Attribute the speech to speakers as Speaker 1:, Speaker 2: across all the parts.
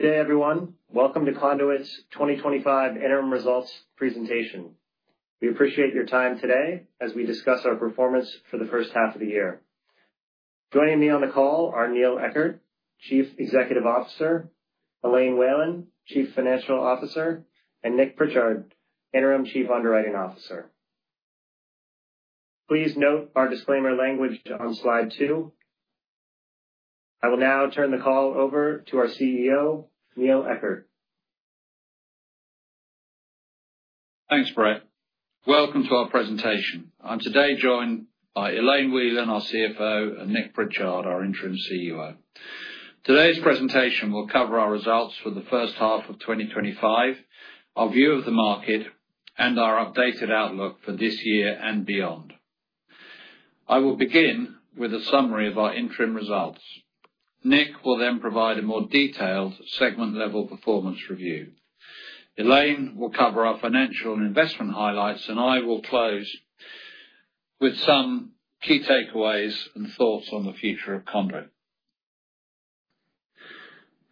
Speaker 1: Good day, everyone. Welcome to Conduit's 2025 interim results presentation. We appreciate your time today as we discuss our performance for the first half of the year. Joining me on the call are Neil Eckert. Eckert, Chief Executive Officer, Elaine Whelan, Chief. Financial Officer and Nick Pritchard, Interim Chief Underwriting Officer. Please note our disclaimer language on slide two. I will now turn the call over. To our CEO, Neil Eckert.
Speaker 2: Thanks Brett. Welcome to our presentation. I'm today joined by Elaine Whelan, our CFO, and Nick Pritchard, our Interim CUO Today's presentation will cover our results for the first half of 2025, our view of the market, and our updated outlook for this year and beyond. I will begin with a summary of our interim results. Nick will then provide a more detailed segment level performance review. Elaine will cover our financial and investment highlights, and I will close with some key takeaways and thoughts on of Conduit.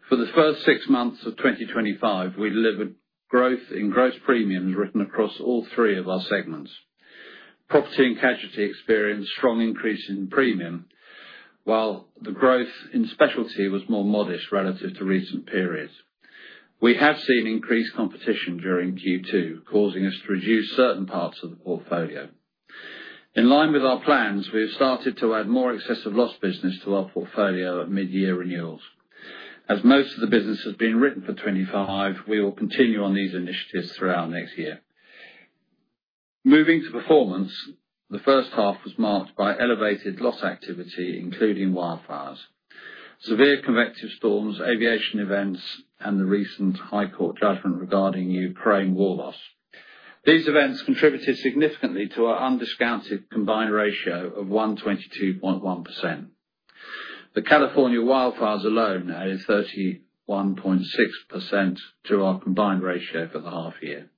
Speaker 2: For the first six months of 2025, we delivered growth in gross premiums written across all three of our segments. Property and Casualty experienced strong increase in premium, while the growth in Specialty was more modest relative to recent periods. We have seen increased competition during Q2, causing us to reduce certain parts of the portfolio in line with our plans. We have started to add more excess of loss business to our portfolio at mid-year renewals. As most of the business has been written for 2025, we will continue on these initiatives throughout next year. Moving to performance, the first half was marked by elevated loss activity including wildfires, severe convective storms, aviation events, and the recent High Court judgment regarding Ukraine war loss. These events contributed significantly to our undiscounted combined ratio of 122.1%. The California wildfires alone now add 31.6% to our combined ratio for the half year.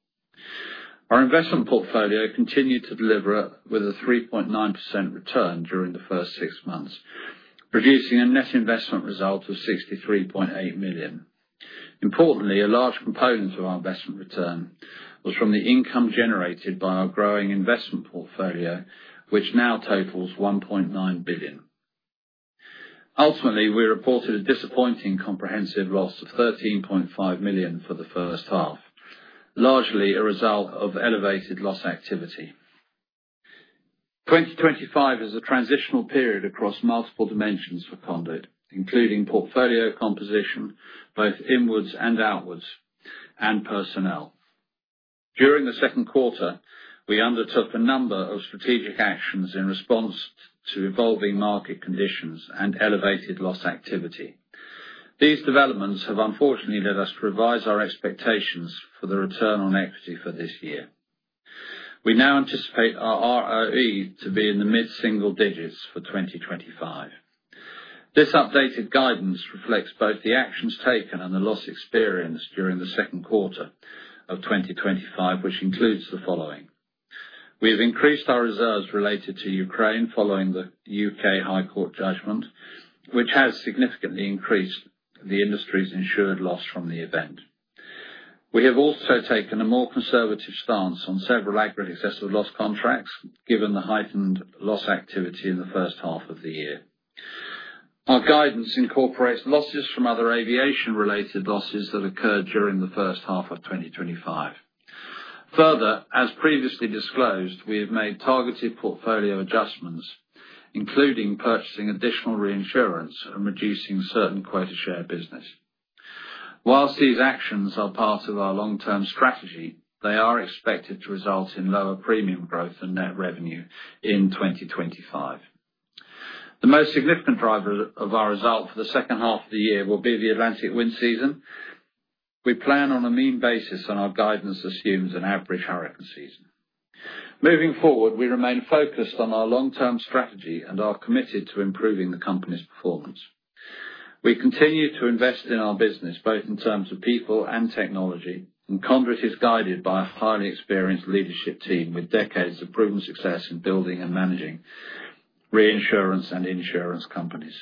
Speaker 2: Our investment portfolio continued to deliver with a 3.9% return during the first six months, producing a net investment result of $63.8 million. Importantly, a large component of our investment return was from the income generated by our growing investment portfolio, which now totals $1.9 billion. Ultimately, we reported a disappointing comprehensive loss of $13.5 million for the first half, largely a result of elevated loss activity. 2025 is a transitional period across multiple Conduit, including portfolio composition both inwards and outwards and personnel. During the second quarter, we undertook a number of strategic actions in response to evolving market conditions and elevated loss activity. These developments have unfortunately led us to revise our expectations for the return on equity for this year. We now anticipate our ROE to be in the mid single digits for 2025. This updated guidance reflects both the actions taken and the loss experienced during the second quarter of 2025, which includes the following. We have increased our reserves related to Ukraine following the U.K. High Court judgment, which has significantly increased the industry's insured loss from the event. We have also taken a more conservative stance on several aggregate excess of loss contracts given the heightened loss activity in the first half of the year. Our guidance incorporates losses from other aviation-related losses that occurred during the first half of 2025. Further, as previously disclosed, we have made targeted portfolio adjustments, including purchasing additional reinsurance and reducing certain quota share business. Whilst these actions are part of our long-term strategy, they are expected to result in lower premium growth and net revenue in 2025. The most significant driver of our result for the second half of the year will be the Atlantic wind season. We plan on a mean basis, and our guidance assumes an average hurricane season. Moving forward, we remain focused on our long-term strategy and are committed to improving the company's performance. We continue to invest in our business, both in terms of people and technology, and Conduit is guided by a highly experienced leadership team with decades of proven success in building and managing reinsurance and insurance companies.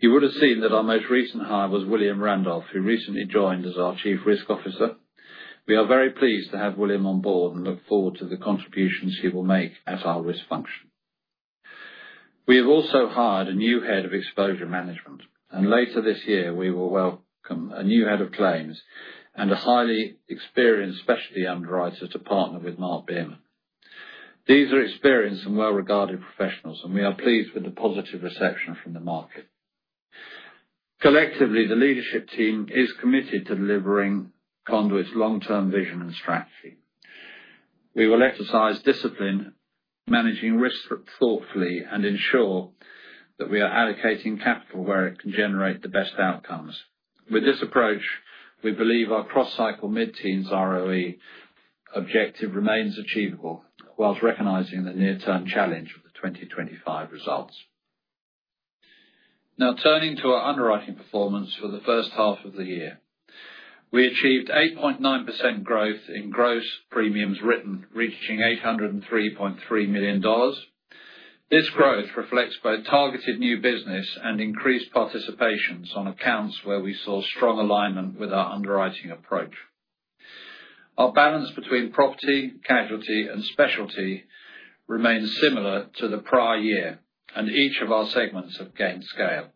Speaker 2: You would have seen that our most recent hire was William Randolph, who recently joined as our Chief Risk Officer. We are very pleased to have William on board and look forward to the contributions he will make at our risk function. We have also hired a new Head of Exposure Management, and later this year we will welcome a new Head of Claims and a highly experienced specialty underwriter to partner with Mark Bim. These are experienced and well-regarded professionals, and we are pleased with the positive reception from the market. Collectively, the leadership team is committed to delivering Conduit's long-term vision and strategy. We will exercise discipline, managing risk thoughtfully, and ensure that we are allocating capital where it can generate the best outcomes. With this approach, we believe our cross-cycle mid-teens ROE objective remains achievable whilst recognizing the near-term challenge of the 2025 results. Now turning to our underwriting performance for the first half of the year, we achieved 8.9% growth in gross premiums written, reaching $803.3 million. This growth reflects both targeted new business and increased participations on accounts where we saw strong alignment with our underwriting approach. Our balance between property, casualty, and specialty remains similar to the prior year, and each of our segments have gained scale.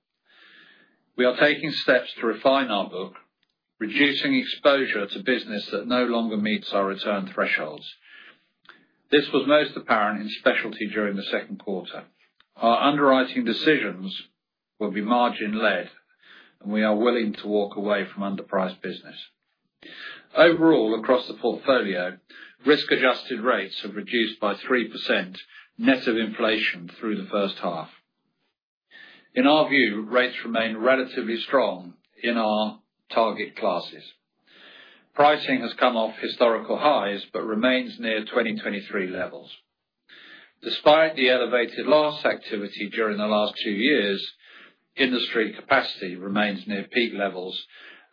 Speaker 2: We are taking steps to refine our book, reducing exposure to business that no longer meets our return thresholds. This was most apparent in specialty during the second quarter. Our underwriting decisions will be margin led, and we are willing to walk away from underpriced business overall. Across the portfolio, risk-adjusted rates have reduced by 3% net of inflation through the first half. In our view, rates remain relatively strong in our target classes. Pricing has come off historical highs but remains near 2023 levels. Despite the elevated loss activity during the last few years, industry capacity remains near peak levels,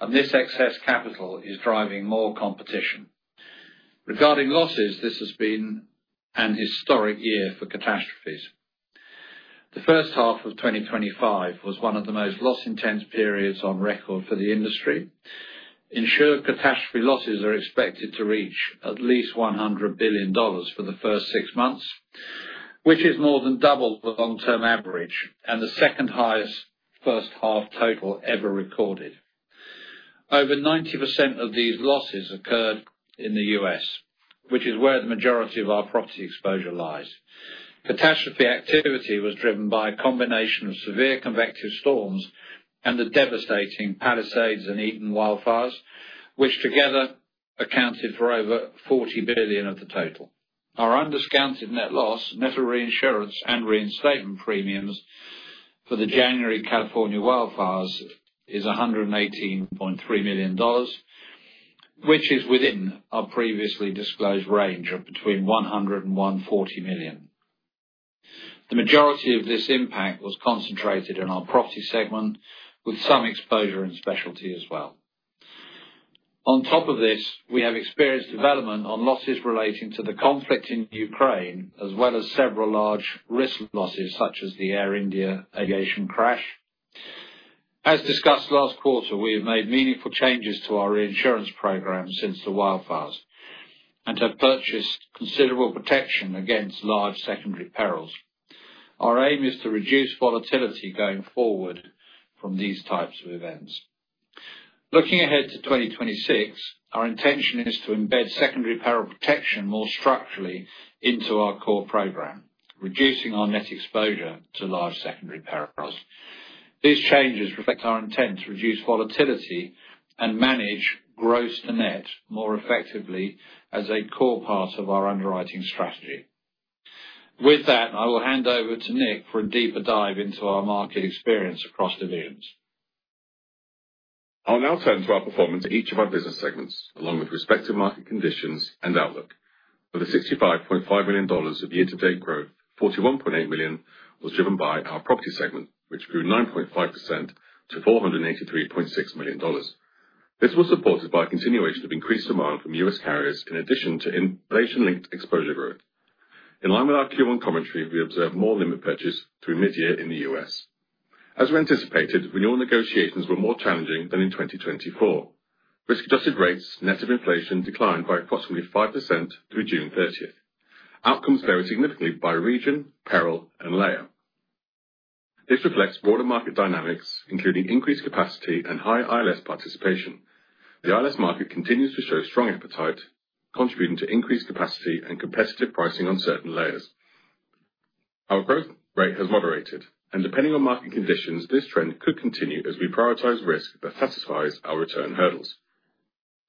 Speaker 2: and this excess capital is driving more competition regarding losses. This has been a historic year for catastrophes. The first half of 2025 was one of the most loss-intense periods on record for the industry. Insured catastrophe losses are expected to reach at least $100 billion for the first six months, which is more than double the long-term average and the second highest first half total ever recorded. Over 90% of these losses occurred in the U.S., which is where the majority of our property exposure lies. Catastrophe activity was driven by a combination of severe convective storms and the devastating Palisades and Eaton wildfires, which together accounted for over $40 billion of the total. Our undiscounted net loss, net of reinsurance and reinstatement premiums, for the January California wildfires is $118.3 million, which is within our previously disclosed range of between $101 million and $140 million. The majority of this impact was concentrated in our property segment, with some exposure in specialty as well. On top of this, we have experienced development on losses relating to the conflict in Ukraine, as well as several large risk losses such as the Air India aviation crash. As discussed last quarter, we have made meaningful changes to our reinsurance program since the wildfires and have purchased considerable protection against large secondary perils. Our aim is to reduce volatility going forward from these types of events. Looking ahead to 2026, our intention is to embed secondary peril protection more structurally into our core program, reducing our net exposure to large secondary perils. These changes reflect our intent to reduce volatility and manage gross to net more effectively as a core part of our underwriting strategy. With that, I will hand over to Nick for a deeper dive into our market experience across divisions.
Speaker 3: I'll now turn to our performance in each of our business segments along with respect to market conditions and outlook. Over $65.5 million of year to date growth, $41.8 million was driven by our property segment, which grew 9.5% to $483.6 million. This was supported by a continuation of increased demand from U.S. carriers in addition to inflation-linked exposure growth. In line with our Q1 commentary, we observed more limit purchase through midyear in the U.S. as we anticipated. Renewal negotiations were more challenging than in 2024. Risk-adjusted rates net of inflation declined by approximately 5% through June 30. Outcomes vary significantly by region, peril, and layer. This reflects broader market dynamics, including increased capacity and high ILS participation. The ILS market continues to show strong appetite, contributing to increased capacity and competitive pricing on certain layers. Our growth rate has moderated, and depending on market conditions, this trend could continue as we prioritize risk that satisfies our return hurdles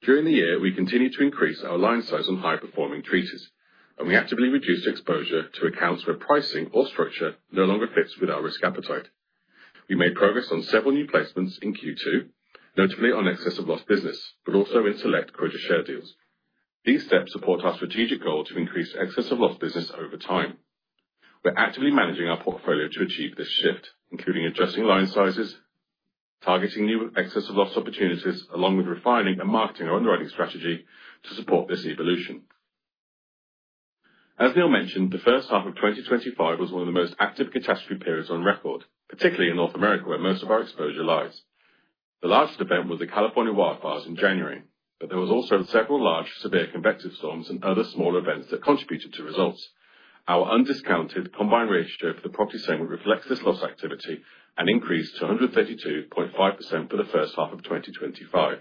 Speaker 3: during the year. We continue to increase our line size on high-performing treaties, and we actively reduced exposure to accounts where pricing or structure no longer fits with our risk appetite. We made progress on several new placements in Q2, notably on excess of loss business but also in select quota share deals. These steps support our strategic goal to increase excess of loss business over time. We're actively managing our portfolio to achieve this shift, including adjusting line sizes, targeting new excess of loss opportunities, along with refining and marketing our underwriting strategy to support this evolution. As Neil mentioned, the first half of 2025 was one of the most active catastrophe periods on record, particularly in North America where most of our exposure lies. The last event was the California wildfires in January, but there were also several large severe convective storms and other smaller events that contributed to results. Our undiscounted combined ratio for the property segment reflects this loss activity and increased to 132.5% for the first half of 2025.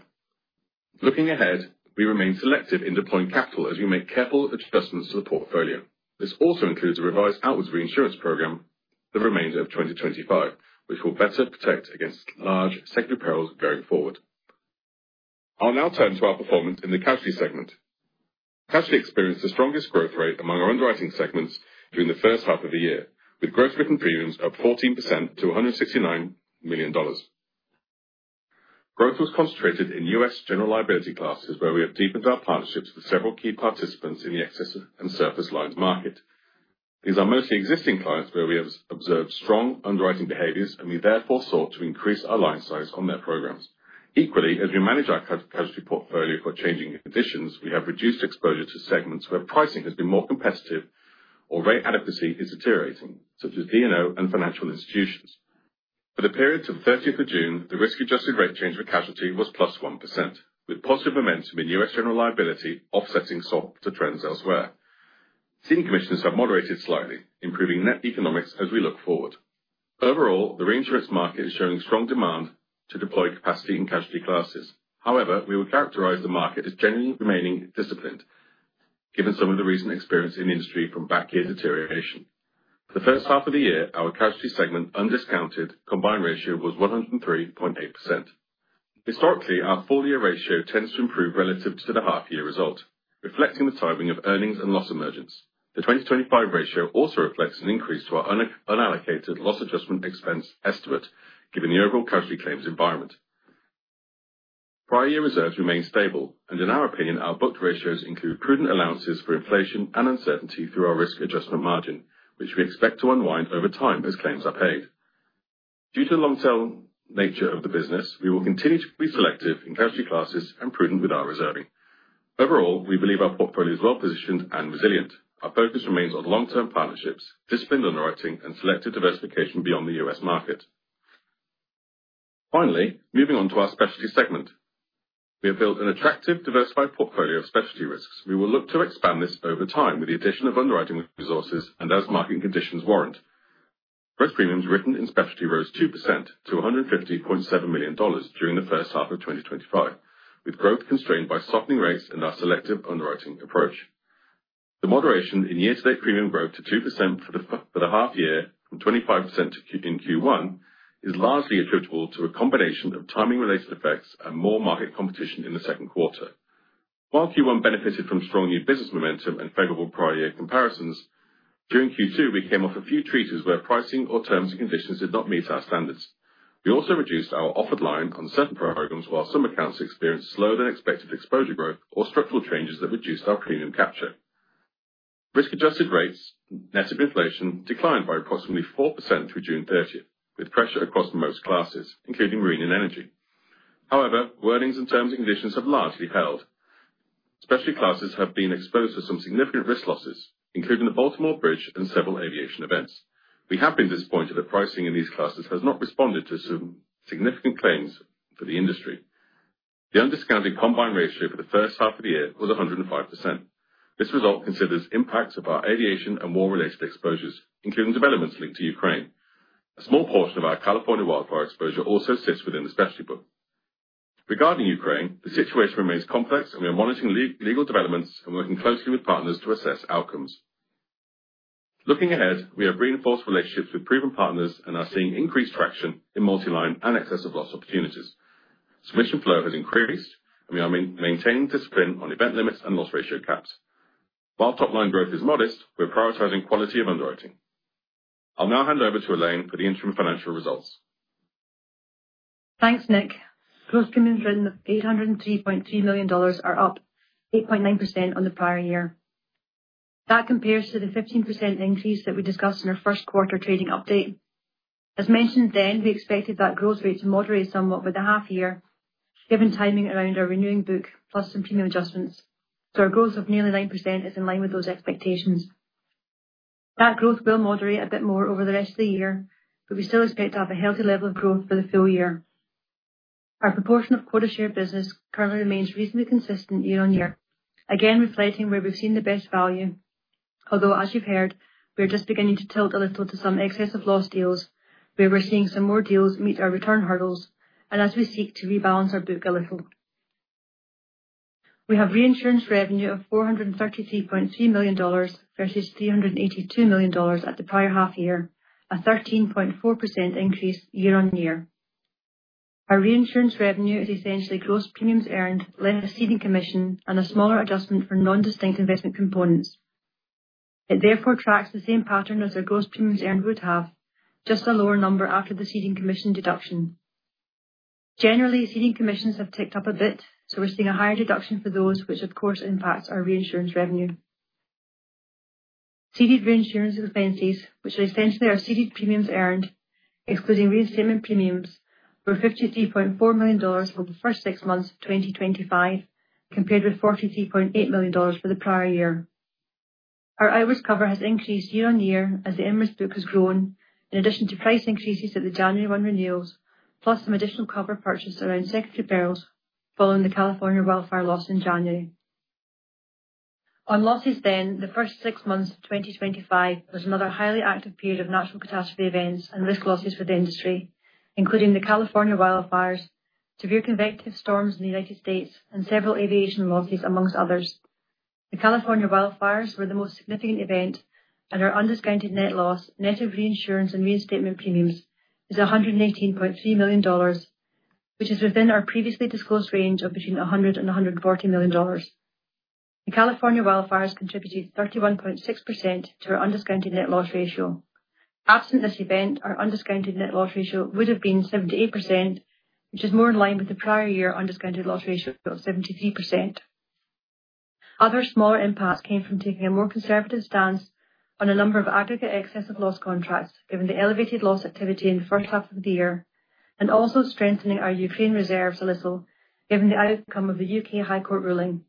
Speaker 3: Looking ahead, we remain selective in deploying capital as we make careful adjustments to the portfolio. This also includes a revised outwards reinsurance program for the remainder of 2025, which will better protect against large secular perils going forward. I'll now turn to our performance in the casualty segment. Casualty experienced the strongest growth rate among our underwriting segments during the first half of the year with gross premiums written up 14% to $169 million. Growth was concentrated in U.S. general liability classes where we have deepened our partnerships with several key participants in the excess and surplus lines market. These are mostly existing clients where we have observed strong underwriting behaviors, and we therefore sought to increase our line size on their programs. Equally, as we manage our casualty portfolio for changing conditions, we have reduced exposure to segments where pricing has been more competitive or rate adequacy is deteriorating, such as D&O and financial institutions. For the period to 30th of June, the risk adjusted rate change of casualty was +1% with positive momentum in U.S. general liability offsetting softer trends elsewhere. Senior commissions have moderated slightly, improving net economics as we look forward. Overall, the reinsurance market is showing strong demand to deploy capacity in casualty classes. However, we would characterize the market as generally remaining disciplined given some of the recent experience in industry from back year deterioration. For the first half of the year, our casualty segment undiscounted combined ratio was 103.8%. Historically, our full year ratio tends to improve relative to the half year result, reflecting the timing of earnings and loss emergence. The 2025 ratio also reflects an increase to our unallocated loss adjustment expense estimate, given the overall casualty claims environment. Prior year reserves remain stable, and in our opinion, our booked ratios include prudent allowances for inflation and uncertainty through our risk adjustment margin, which we expect to unwind over time as claims are paid. Due to the long-term nature of the business, we will continue to be selective in casualty classes and prudent with our reserving. Overall, we believe our portfolio is well positioned and resilient. Our focus remains on long-term partnerships, disciplined underwriting, and selective diversification beyond the U.S. market. Finally, moving on to our specialty segment, we have built an attractive, diversified portfolio of specialty risks. We will look to expand this over time with the addition of underwriting resources and as market conditions warrant. Gross premiums written in Specialty rose 2% to $150.7 million during the first half of 2025, with growth constrained by softening rates and our selective underwriting approach. The moderation in year-to-date premium growth to 2% for the half year from 25% in Q1 is largely attributable to a combination of timing-related effects and more market competition in the second quarter. While Q1 benefited from strong new business momentum and favorable prior year comparisons, during Q2 we came off a few treaties where pricing or terms and conditions did not meet our standards. We also reduced our offered line on certain programs, while some accounts experienced slower than expected exposure growth or structural changes that reduced. Our clean and capture risk. Adjusted rates net of inflation declined by approximately 4% through June 30 with pressure across most classes including marine and energy. However, wordings and terms and conditions have largely held. Specialty classes have been exposed to some significant risk losses including the Baltimore Bridge and several aviation events. We have been disappointed that pricing in these classes has not responded to some significant claims for the industry. The undiscounted combined ratio for the first half of the year was 105%. This result considers impacts of our aviation and war related exposures, including developments linked to Ukraine. A small portion of our California wildfire exposure also sits within the specialty book. Regarding Ukraine, the situation remains complex. We are monitoring legal developments and working closely with partners to assess outcomes. Looking ahead, we have reinforced relationships with proven partners and are seeing increased traction in multiline and excess of loss opportunities. Submission flow has increased and we are maintaining discipline on event limits and loss ratio caps. While top line growth is modest, we're prioritizing quality of underwriting. I'll now hand over to Elaine for the interim financial results.
Speaker 4: Gross premiums written in $803.3 million are up 8.9% on the prior year. That compares to the 15% increase that we discussed in our first quarter trading update. As mentioned then, we expected that growth rate to moderate somewhat with the half year given timing around our renewing book plus some premium adjustments. Our growth of nearly 9% is in line with those expectations. That growth will moderate a bit more over the rest of the year, but we still expect to have a healthy level of growth for the full year. Our proportion of quota share business currently remains reasonably consistent year-on-year, again reflecting where we've seen the best value. Although, as you've heard, we're just beginning to tilt a little to some excess of loss deals where we're seeing some more deals meet our return hurdles, and as we seek to rebalance our book a little, we have reinsurance revenue of $433.3 million versus $382 million at the prior half year, a 13.4% increase year-on-year. Our reinsurance revenue is essentially gross premiums earned, less a ceding commission and a smaller adjustment for non-distinct investment components. It therefore tracks the same pattern as our gross premiums earned, just a lower number after the ceding commission deduction. Generally, ceding commissions have ticked up a bit, so we're seeing a higher deduction for those, which of course impacts our reinsurance revenue. Ceded reinsurance expenses, which are essentially our ceded premiums earned excluding reinstatement premiums, were $53.4 million for the first six months 2025 compared with $43.8 million for the prior year. Our IRIS cover has increased year-on-year as the inwards book has grown, in addition to price increases at the January 1st renewals plus some additional cover purchased around Secretary Barrels following the California wildfire loss in January. On losses, the first six months 2025 was another highly active period of natural catastrophe events and risk losses for the industry, including the California wildfires, severe convective storms in the United States, and several aviation losses amongst others. The California wildfires were the most significant event, and our undiscounted net loss, net of reinsurance and reinstatement premiums, is $118.3 million, which is within our previously disclosed range of between $100 million and $140 million. The California wildfires contributed 31.6% to our undiscounted net loss ratio. Absent this event, our undiscounted net loss ratio would have been 78% which is more in line with the prior year undiscounted loss ratio of 73%. Other smaller impacts came from taking a more conservative stance on a number of aggregateexcess of loss contracts given the elevated loss activity in the first half of the year and also strengthening our Ukraine reserves a little given the outcome of the U.K. High Court ruling.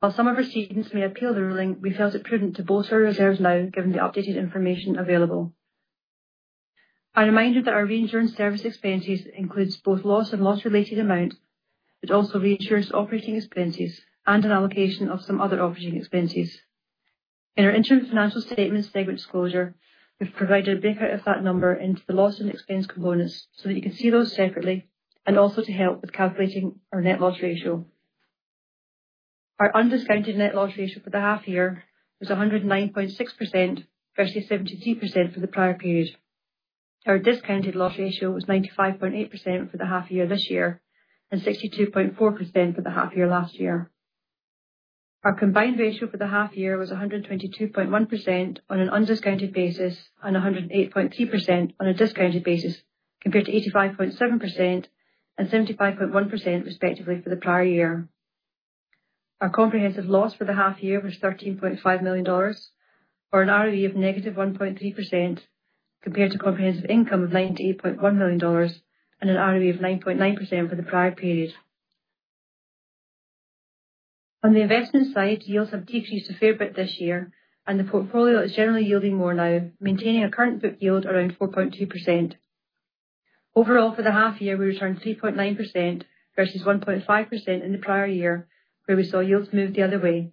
Speaker 4: While some of our students may appeal the ruling, we felt it prudent to bolster reserves now given the updated information available. A reminder that our reinsurance service expenses includes both loss and loss related amount but also reinsures operating expenses and an allocation of some other operating expenses in our interim financial statements segment disclosure. We've provided a breakout of that number into the loss and expense components so that you can see those separately and also to help with calculating our net loss ratio. Our undiscounted net loss ratio for the half year was 109.6% versus 73% for the prior period. Our discounted loss ratio was 95.8% for the half year this year and 62.4% for the half year last year. Our combined ratio for the half year was 122.1% on an undiscounted basis and 108.3% on a discounted basis compared to 85.7% and 75.1% respectively for the prior year. Our comprehensive loss for the half year was $13.5 million or an ROE of -1.3% compared to comprehensive income of $98.1 million and an ROE of 9.9% for the prior period. On the investment side, yields have decreased a fair bit this year and the portfolio is generally yielding more now, maintaining a current book yield around 4.2%. Overall for the half year we returned 3.9% versus 1.5% in the prior year where we saw yields move the other way.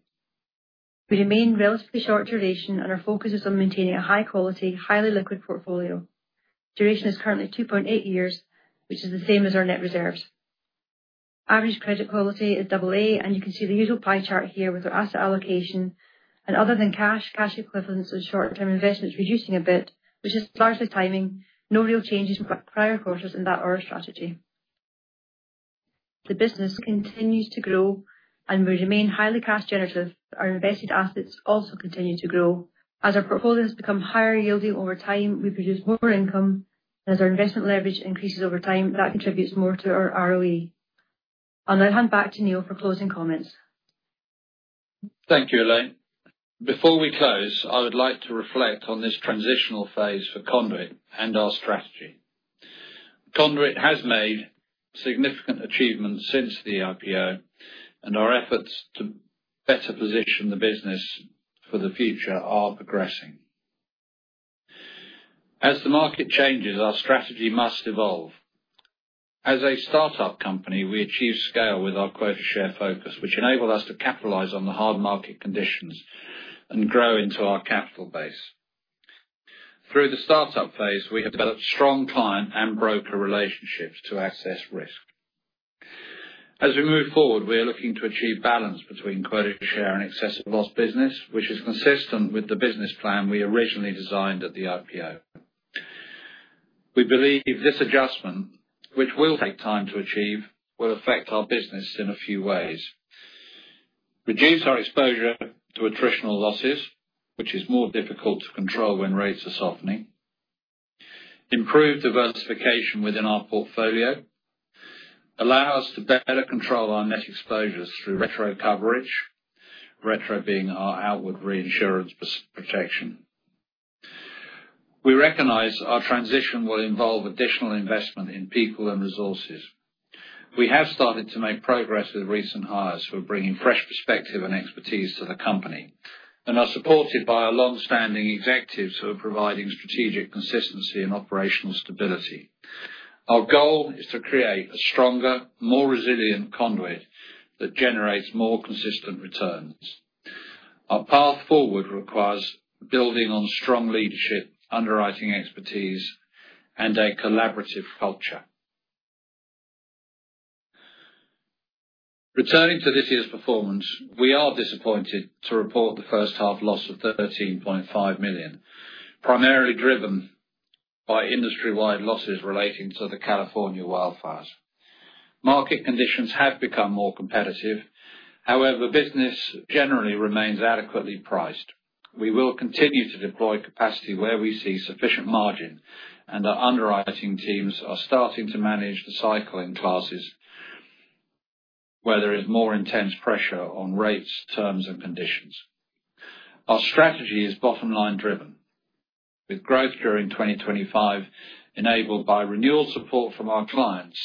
Speaker 4: We remain relatively short duration and our focus is on maintaining a high quality, highly liquid portfolio. Duration is currently 2.8 years which is the same as our net reserves. Average credit quality is double A and you can see the usual pie chart here with our asset allocation and other than cash, cash equivalents, or short term investments reducing a bit which is largely timing, no real changes in prior quarters in that order. Strategy, the business continues to grow and we remain highly cash generative. Our invested assets also continue to grow as our portfolios become higher yielding over time. We produce more income as our investment leverage increases over time that contributes more to our ROE. I'll now hand back to Neil for closing comments.
Speaker 2: Thank you, Elaine. Before we close, I would like to reflect on this transitional phase for Conduit and our strategy. Conduit has made significant achievements since the IPO, and our efforts to better position the business for the future are progressing. As the market changes, our strategy must evolve. As a startup company, we achieve scale with our quota share focus, which enables us to capitalize on the hard market conditions and grow into our capital base. Through the startup phase, we have developed strong client and broker relationships to assess risk. As we move forward, we are looking to achieve balance between quota share and excess of loss business, which is consistent with the business plan we originally designed at the IPO. We believe this adjustment, which will take time to achieve, will affect our business in a few ways: reduce our exposure to attritional losses, which is more difficult to control when rates are softening; improve diversification within our portfolio; allow us to better control our net exposures through retro coverage, retro being our outward reinsurance protection. We recognize our transition will involve additional investment in people and resources. We have started to make progress with recent hires who are bringing fresh perspective and expertise to the company and are supported by our longstanding executives who are providing strategic consistency and operational stability. Our goal is to create a stronger, more resilient Conduit that generates more consistent returns. Our path forward requires building on strong leadership, underwriting expertise, and a collaborative culture. Returning to this year's performance, we are disappointed to report the first half loss of $13.5 million, primarily driven by industry-wide losses relating to the California wildfires. Market conditions have become more competitive, however, business generally remains adequately priced. We will continue to deploy capacity where we see sufficient margin, and our underwriting teams are starting to manage the cycle in classes where there is more intense pressure on rates, terms, and conditions. Our strategy is bottom-line driven, with growth during 2025 enabled by renewal, support from our clients,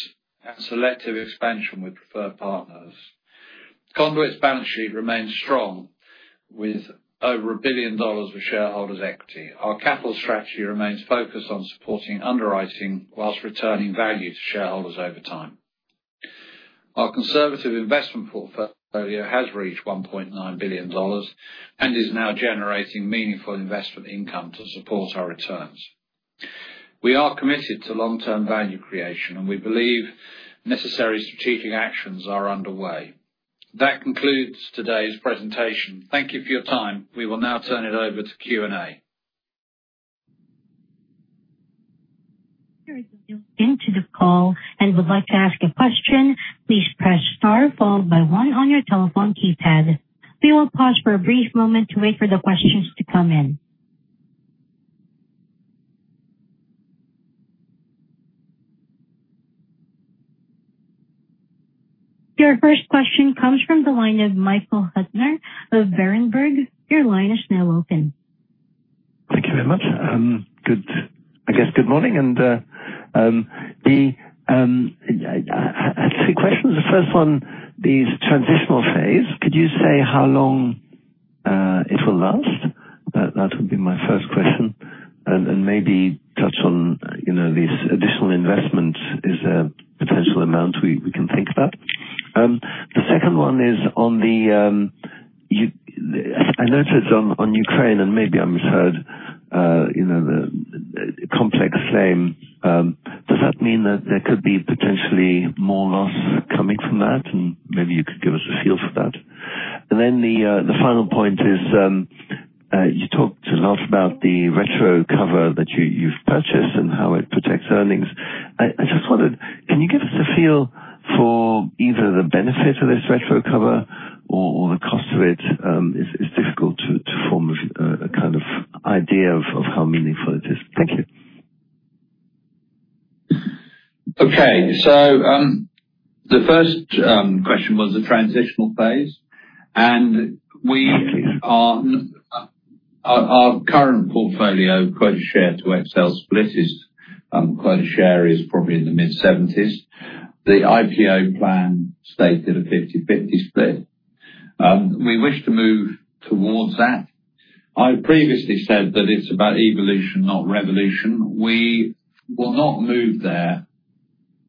Speaker 2: and selective expansion with preferred partners. Conduit's balance sheet remains strong with over $1 billion of shareholders' equity. Our capital strategy remains focused on supporting underwriting whilst returning value to shareholders over time. Our conservative investment portfolio has reached $1.9 billion and is now generating meaningful investment income to support our returns. We are committed to long-term value creation, and we believe necessary strategic actions are underway. That concludes today's presentation. Thank you for your time. We will now turn it over to Q&A.
Speaker 5: Into the call. Would like to ask a question. Please press star followed by one on your telephone keypad. We will pause for a brief moment to wait for the questions to come in. Your first question comes from the line of Michael Huttner of Berenberg. Your line is now open.
Speaker 6: Thank you very much. Good morning. I see questions. The first one, the transitional phase. Did you say how long it will last? That would be my first question and maybe touch on, you know, this additional investment is a potential amount we can think about. The second one is on the, I noticed on Ukraine and maybe I misheard, you know, the conflict flame. Does that mean that there could be potentially more loss coming from that? Maybe you could give us a feel for that. The final point is you talked a lot about the retro cover that you've purchased and how it protects earnings. I just wanted, can you give us a feel for either the benefit of this retro cover or the cost of it? It's difficult to form a kind of idea of how meaningful it is.
Speaker 2: Okay, so the first question was the transitional phase. We are. Our current portfolio quota share to XOL split is. Quota share is probably in the mid-70%. The IPO plan stated a 50/50 split. We wish to move towards that. I previously said that it's about evolution, not revolution. We will not move there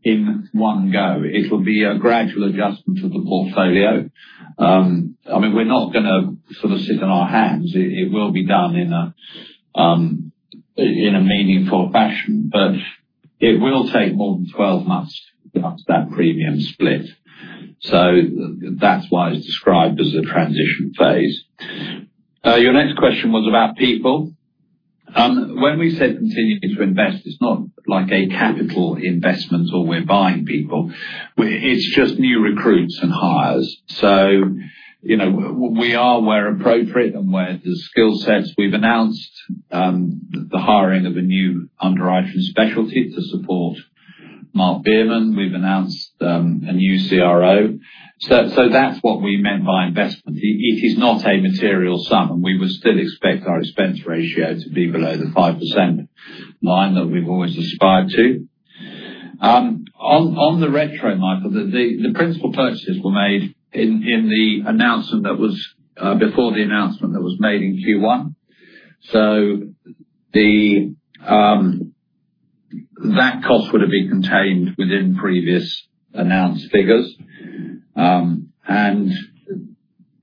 Speaker 2: in one go. It will be a gradual adjustment to the portfolio. I mean we're not going to sort of sit on our hands. It will be done in a meaningful fashion, but it will take more than 12 months after that premium split. That's why it's described as a transition phase. Your next question was about people. When we said continue to invest, it's not like a capital investment or we're buying people. It's just new recruits and hires. So, you know, we are, where appropriate and where the skill sets. We've announced the hiring of a new underwriter specialty to support Mark Bierman. We've announced a new CRO. That's what we meant by investment. It is not a material sum and we would still expect our expense ratio to be below the 5% line that we've always aspired to. On the retro, Michael, the principal purchases were made in the announcement that was before the announcement that was made in Q1, so that cost would have been contained within previous announced figures.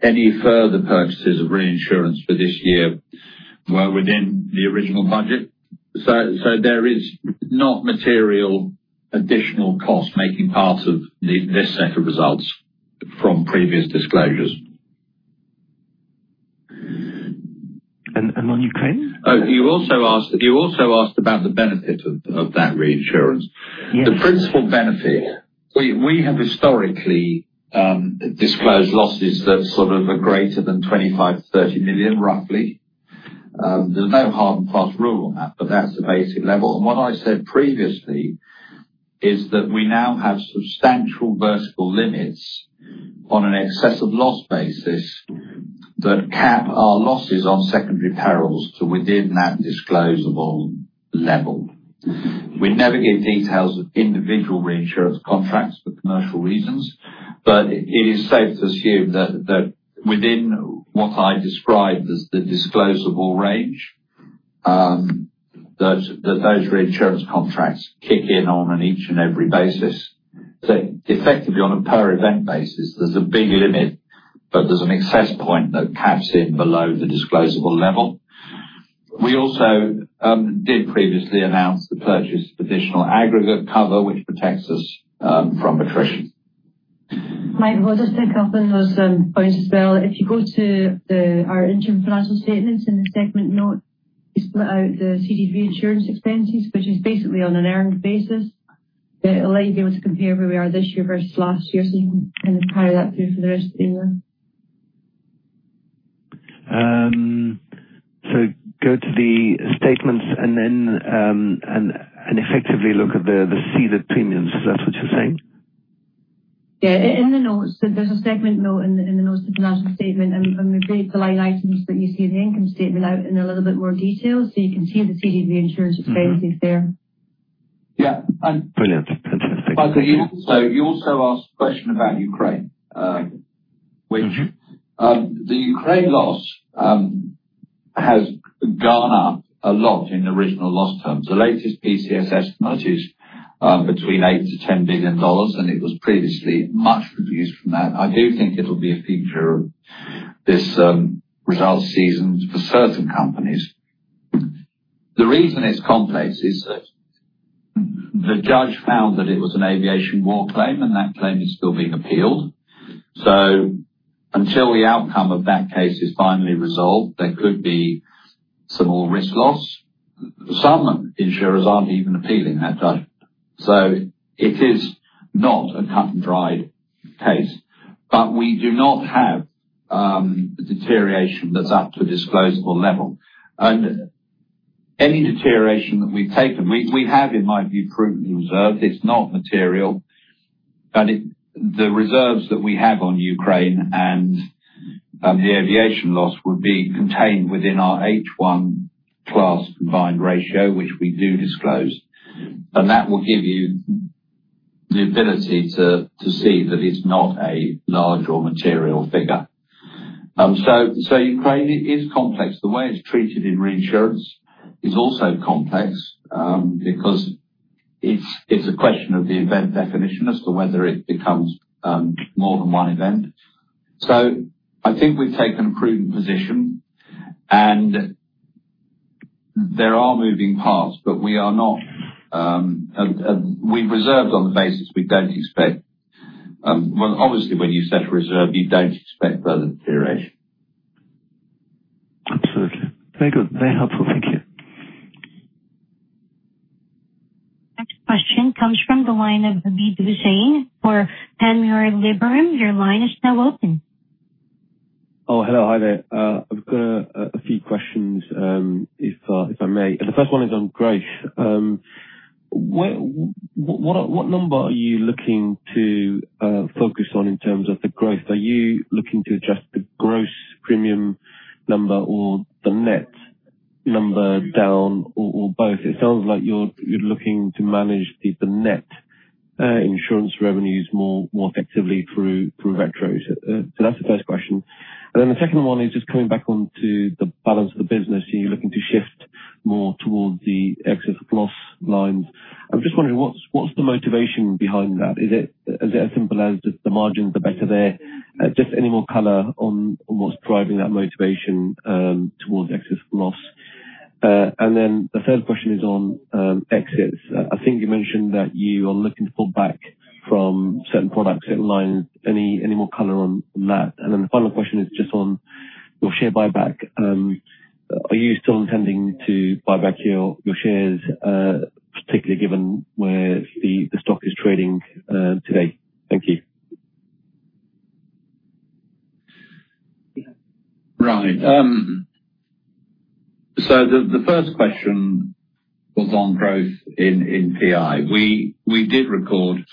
Speaker 2: Any further purchases of reinsurance for this year were within the original budget. There is not material additional cost making part of this set of results from previous disclosures. Ukraine, you also asked about the benefit of that reinsurance, the principal benefit. We have historically disclosed losses that are sort of greater than $25 million-$30 million roughly. There's no hard and fast rule on that, but that's the basic level. What I said previously is that we now have substantial vertical limits on an excess of loss basis that cap our losses on secondary perils to within that disclosable level. We never give details of individual reinsurance contracts for commercial reasons, but it is safe to assume that within what I described as the disclosable range, those reinsurance contracts kick in on each and every basis. Effectively, on a per event basis there's a big limit, but there's an excess point that paths in below the disclosable level. We also did previously announce the purchase of additional aggregate cover which protects us from the crisis.
Speaker 4: Michael, just pick up on those points as well. If you go to our interim financial statements in the segment note, split out the CDV insurance expenses, which is basically on an earned basis, that will let you be able to compare where we are this year versus last year. You can kind of power that through for the rest of the year.
Speaker 6: Go to the statements and then effectively look at the ceded premiums. Is that what you're saying?
Speaker 4: Yeah, in the notes. There's a segment note in the notes to production statement, and the green collide items that you see in the income statement in a little bit more detail, so you can see the CDV insurance expenses there.
Speaker 2: Yeah, brilliant.
Speaker 6: Fantastic.
Speaker 2: You also asked a question about Ukraine, which the Ukraine loss has gone up a lot in the original loss terms. The latest PCSS budget is between $8 billion-$10 billion and it was previously much reduced from that. I do think it'll be a feature of this results season for certain companies. The reason it's complex is the judge found that it was an aviation war claim and that claim is still being appealed. Until the outcome of that case is finally resolved, there could be some more risk loss for some and insurers aren't even appealing that. It is not a cut and dried case, but we do not have deterioration that's up to a disclosable level. Any deterioration that we've taken we have. It might be prudently reserved. It's not material. The reserves that we have on Ukraine and the aviation loss would be contained within our H1 class combined ratio, which we do disclose. That will give you the ability to see that it's not a large or material figure. Ukraine is complex. The way it's treated in reinsurance is also complex because it's a question of the event definition as to whether it becomes more than one event. I think we've taken a prudent position and there are moving parts, but we are not, we reserved on the basis we don't expect. Obviously, when you set a reserve you don't expect further deterioration. Absolutely.
Speaker 6: Very good, very helpful. Thank you.
Speaker 5: Question comes from the line of. Your line is still open. Oh, hello. Hi there. I've got a few questions if I may. The first one is on Greg. What number are you looking to focus on in terms of the growth? Are you looking to adjust the gross premium number or the net number down or both? It sounds like you're looking to manage deeper net insurance revenues more effectively through Vetro. That's the first question. The second one is just coming back on to the balance of the business. You're looking to shift more towards the excess loss lines. I'm just wondering what's the motivation behind that? Is it as simple as the margins? Are they better there? Any more color on what's driving that motivation towards excess loss? The third question is on exits. I think you mentioned that you are looking to pull back from certain products online. Any more color on that? The final question is just on your share buyback. Are you still intending to buy back your shares, particularly given where the stock is trading today? Thank you.
Speaker 2: Right, so the first question was on growth in ti. We did record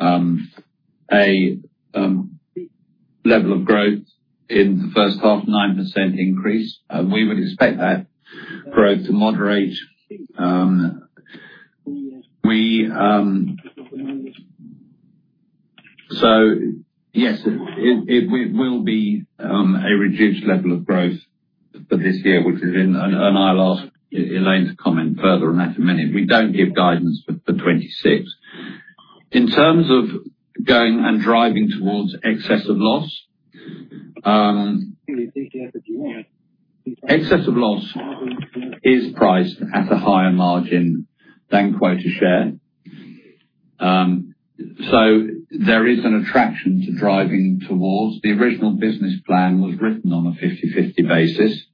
Speaker 2: a level of growth in the first half, 9% increase. We would expect that probe to moderate. Yes, it will be a reduced level of growth for this year, which is in. I'll ask Elaine to comment further on that in a minute. We don't give guidance for 2026 in terms of going and driving towards excess of loss. Excess of loss is priced at a higher margin than quota share, so there is an attraction to driving towards the original business plan, which was written on a 50/50 basis.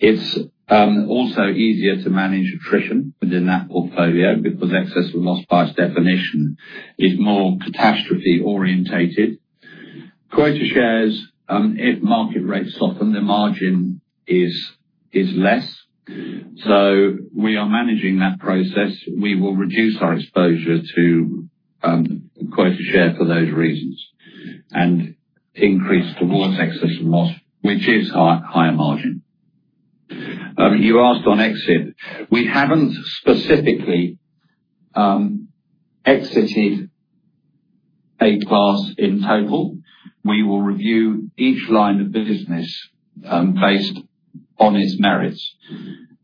Speaker 2: It's also easier to manage attrition within that portfolio because excess of loss by its definition is more catastrophe orientated. Quota shares, if market rates soften, the margin is less. We are managing that process. We will reduce our exposure to quota share for those reasons and increase towards excess of loss, which is higher margin. You asked on exit. We haven't specifically exited a class in total. We will review each line of business based on its merits,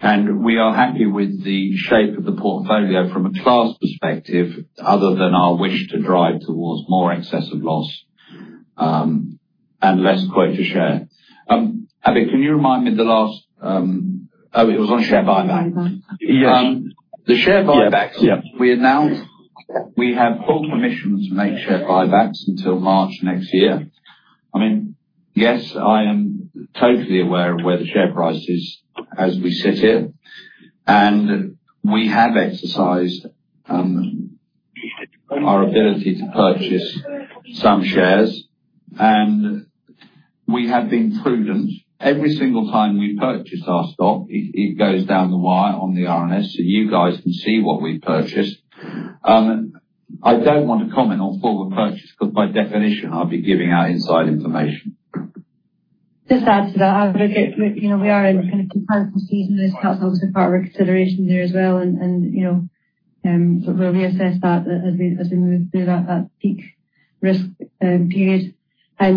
Speaker 2: and we are happy with the shape of the portfolio from a class perspective other than our wish to drive towards more excess of loss and less quota share a bit. Can you remind me the last? Oh, it was on share buyback. Yeah, the share buybacks. Yeah. We announced we have pulled permissions to make share buybacks until March next year. I mean yes, I am totally aware of where the share price is as we sit here, and we have exercised our ability to purchase some shares. We have been prudent; every single time we purchase our stock, it goes down the wire on the RNS so you guys can see what we purchased. I don't want to comment on forward purchase because by definition I'll be giving out inside information.
Speaker 4: Just to add to that, you know we are in kind of season. That's obviously part of our consideration there as well. You know we'll reassess that as we move through that peak risk period. I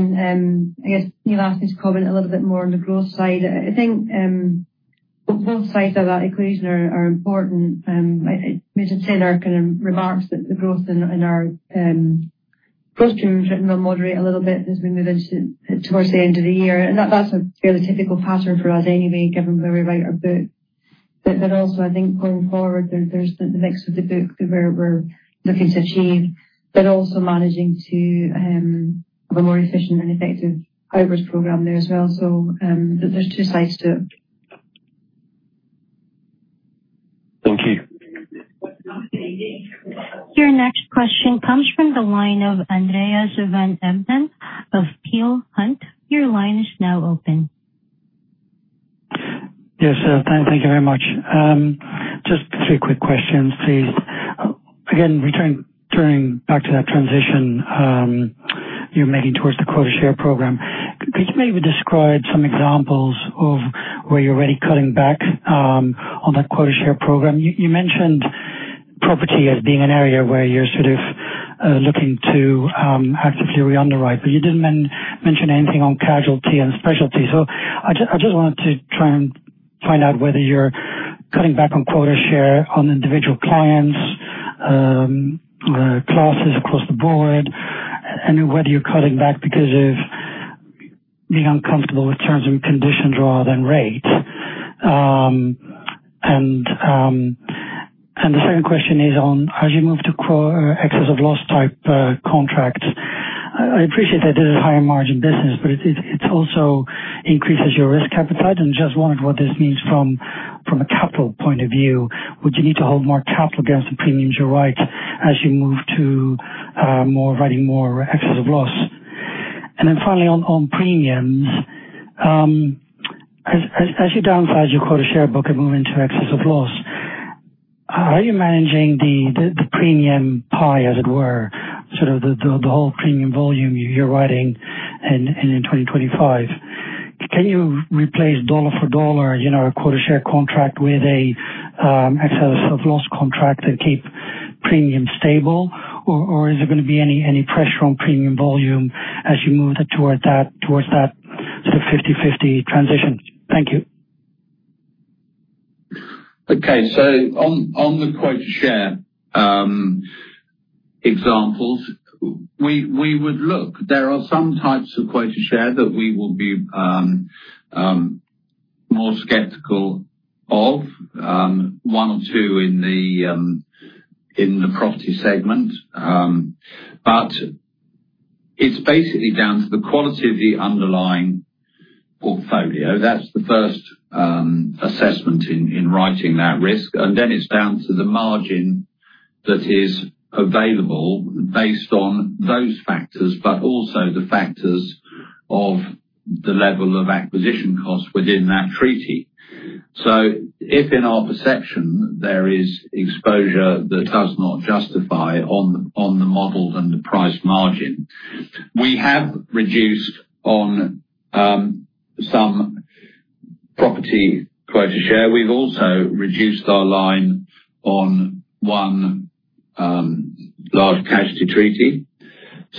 Speaker 4: guess Neil asked me to comment a little bit more on the growth side. I think both sides of that equation are important and I think Nick kind of remarks that the growth in. Our. Moderate a little bit as we move towards the end of the year, and that's a fairly typical pattern for us anyway given where we write our book. I think going forward there's the mix of the book where we're looking to achieve, but also managing to have a more efficient and effective hybrid program there as well. There's two sides to it.
Speaker 5: Your next question comes from the line of Andreas van Embden of Peel Hunt. Your line is now open.
Speaker 7: Yes, thank you very much. Just a few quick questions. Again, referring back to that transition you're making towards the quota share program, could you maybe describe some examples of where you're already cutting back on that quota share program? You mentioned property as being an area where you're sort of looking to actively re-underwrite, but you didn't mention anything on casualty and specialty. I just wanted to try and find out whether you're cutting back on quota share on individual clients' classes across the board and whether you're cutting back because of being uncomfortable with terms or conditions rather than rates. The second question is as you move to excess of loss type contract. I appreciate that it is a higher margin business, but it also increases your risk appetite. I'm just wondering what this means from a capital point of view. Would you need to hold more capital against the premiums you write as you move to writing more excess of loss, and then finally on premiums, as you downsize your quota share book and move into excess of loss, are you managing the premium pie, as it were, the whole premium volume you're writing in 2025? Can you replace dollar for dollar a quota share contract with a loss contract that keeps premium stable, or is there going to be any pressure on premium volume as you move towards the 50/50 transitions? Thank you.
Speaker 2: On the quota share examples, we would look. There are some types of quota share that we will be more skeptical of, one or two in the property segment, but it's basically down to the quality of the underlying portfolio. That's the first assessment in writing that risk, and then it's down to the margin that is available based on those factors, but also the factors of the level of acquisition costs within that treaty. If in our perception there is exposure that does not justify on the model, then the price margin, we have reduced on some property quota. We've also reduced our line on one large casualty treaty,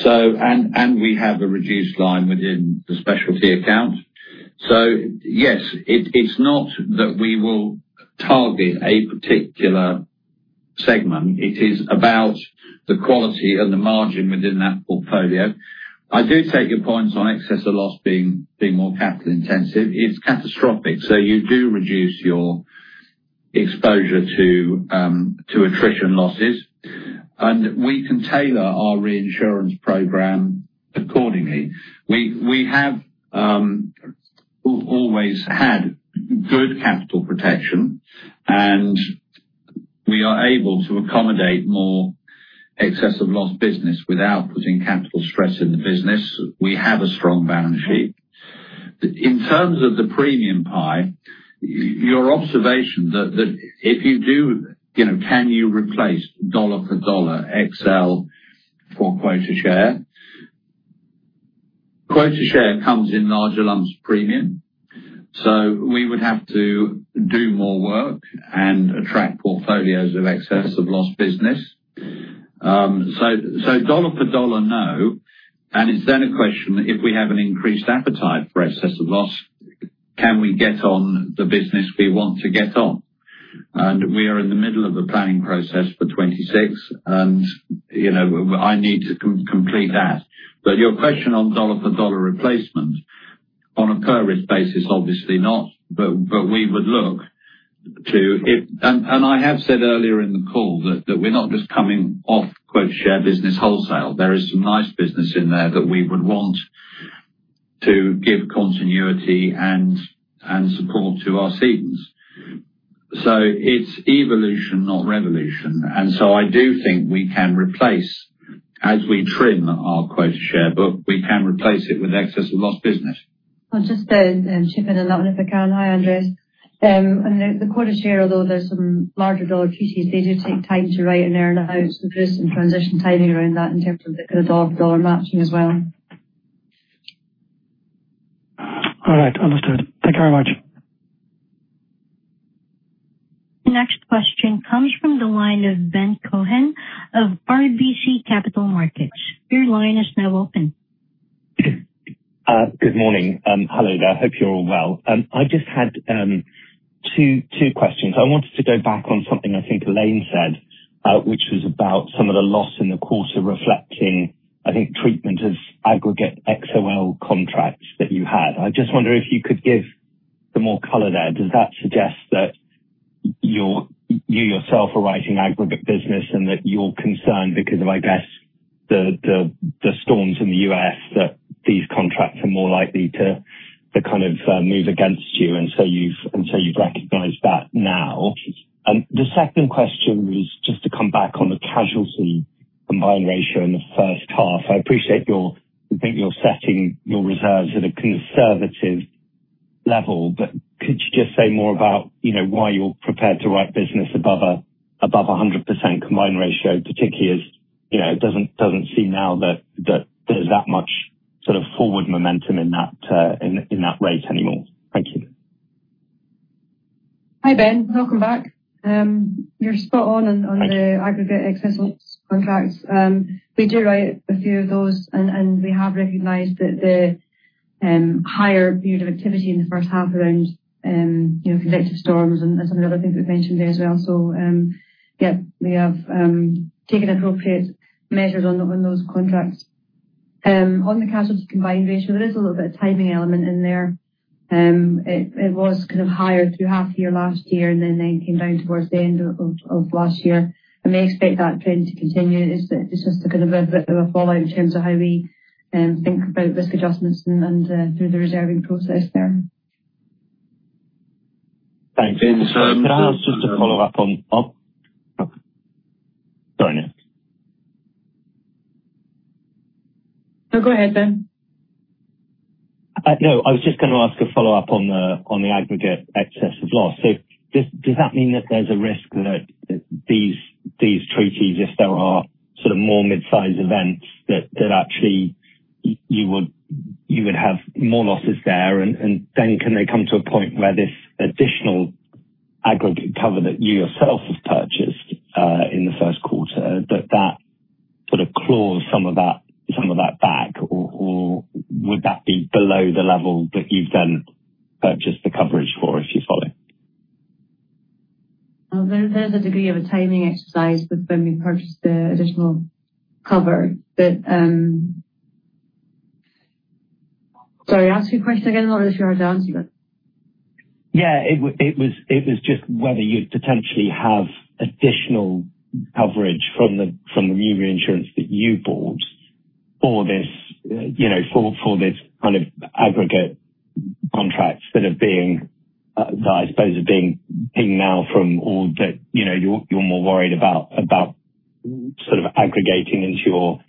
Speaker 2: and we have a reduced line within the specialty account. It's not that we will target a particular segment. It is about the quality and the margin within that portfolio. I do take your points on excess of loss being more capital intensive, it's catastrophic. You do reduce your exposure to attritional losses, and we can tailor our reinsurance program accordingly. We have always had good capital protection, and we are able to accommodate more excess of loss business without putting capital stress in the business. We have a strong balance sheet. In terms of the premium pie, your observation that if you do, you know, can you replace dollar for dollar XL for quota share, quota share comes in larger lumps premium. We would have to do more work and attract portfolios of excess of loss business. Dollar for dollar, no. It's then a question if we have an increased appetite for excess of loss, can we get on the business we want to get on? We are in the middle of a planning process for 2026, and I need to complete that. Your question on dollar for dollar replacement on a per risk basis, obviously not. We would look to, if, and I have said earlier in the call that we're not just coming off quota share business wholesale. There is some nice business in there that we would want to give continuity and support to our students. It's evolution, not revolution. I do think we can replace, as we trim our quota share book, we can replace it with excess of loss business.
Speaker 4: I'll just chip in a little if I can. Hi, Andreas. The quota share, although there's some larger TCs, does take time to write and earn, with this transition timing around that in terms of dollar matching as well.
Speaker 7: All right, understood. Thank you very much.
Speaker 5: Next question comes from the line of Ben Cohen of RBC Capital Markets.
Speaker 8: Your line is now open. Good morning. Hello there. I hope you're all well. I just had two questions. I wanted to go back on something I think Elaine said, which was about some of the loss in the quarter reflecting, I think, treatment of aggregate XOL contracts that you had. I just wonder if you could give some more color there. Does that suggest that you yourself are writing aggregate business and that you're concerned because of, I guess, the storms in the U.S. that these contracts are more likely to kind of move against you and so you've recognized that. The second question was just to come back on the casualty combined ratio in the first half. I appreciate, I think you're setting your reserves at a conservative level, but could you just say more about why you're prepared to write business above A, above 100% combined rate though, particularly as you know, it doesn't, doesn't seem now that there's that much sort of forward momentum in that rate anymore. Thank you.
Speaker 4: Hi Ben, welcome back. You're spot on on the aggregate XOL contracts. We do write a few of those, and we have recognized that the higher period of activity in the first half around, you know, conjecture, storms, and some of the other things we've mentioned as well. Yeah, we have taken appropriate measures on those contracts. On the casualty combined ratio, there is a little bit of timing element in there. It was kind of higher through half year last year and then came down towards the end of last year, and we expect that trend to continue. It's just kind of a bit of a fallout in terms of how we think about risk adjustments and through the reserving process there.
Speaker 8: Thanks. Could I ask just a follow up on this?
Speaker 4: Go ahead, Ben.
Speaker 8: No, I was just going to ask a follow up on the aggregate excess of loss. Does that mean that there's a risk that these treaties, if there are sort of more mid sized events, that actually you would have more losses there, and then can they come to a point where this additional aggregate cover that you yourself have purchased in the first quarter, that sort of claws some of that back, or would that be below the level that you've then purchased the coverage for? If you follow.
Speaker 4: There's a degree of a timing exercise with when we purchase the additional cover. Sorry, ask your question again or down.
Speaker 8: Yeah, it was just whether you'd potentially have additional coverage from the new reinsurance that you bought for this, you know, for this kind of aggregate XOL contracts that are being, that I suppose are being pinged now from all that. You're more worried about sort of aggregating into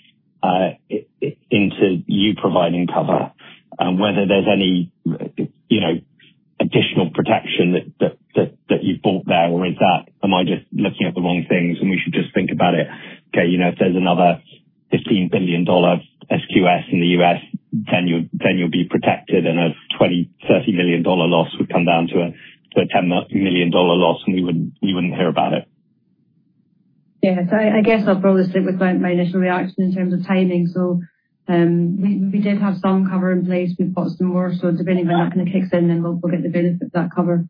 Speaker 8: you providing cover, whether there's any additional protection that you bought there or is that. Am I just looking at the wrong things and we should just think about it. Okay. You know, if there's another $15 billion SQS in the U.S. then you'll be protected and a $20 million, $30 million loss would come down to the $10 million loss and you wouldn't hear about it.
Speaker 4: I guess I'll probably slip with my initial reaction in terms of timing. We did have some cover in place. We've got some more. If any kicks in, then we'll get the benefit of that cover.